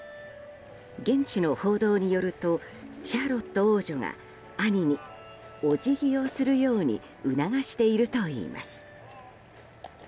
現地の報道によるとシャーロット王女が兄におじぎをするように促しているといいます。